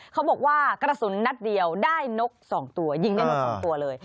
เขาบอกว่ากระสุนนัดเดียวได้นก๒ตัวยิงได้นก๒ตัวเลย